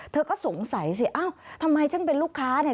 เธอก็สงสัยสิเอ้าทำไมฉันเป็นลูกค้าเนี่ย